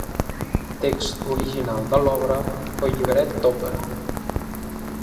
Text original de l'obra o llibret d'òpera.